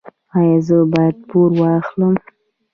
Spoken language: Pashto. ایا زه باید پور واخلم؟